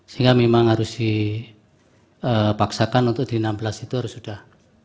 sehingga memang harus dipaksakan untuk di enam belas itu harus sudah